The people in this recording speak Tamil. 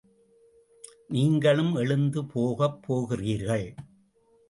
நீங்களும் எழுந்து போகப் போகிறீர்கள்.